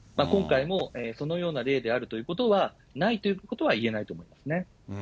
今回もそのような例であるということはないということは言えないと思うんですね。